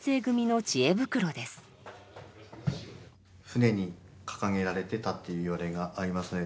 船に掲げられてたっていういわれがありますね。